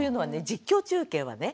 実況中継はね